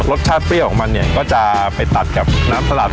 รสชาติเปรี้ยวของมันเนี่ยก็จะไปตัดกับน้ำสลัด